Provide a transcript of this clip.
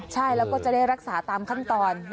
ใช่แล้วก็จะได้รักษาตามขั้นตอน